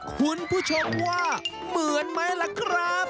คุณผู้ชมว่าเหมือนไหมล่ะครับ